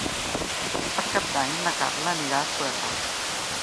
Per Cap d'Any na Carla anirà a Sueca.